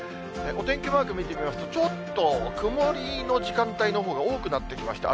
お天気マーク見てみますと、ちょっと曇りの時間帯のほうが多くなってきました。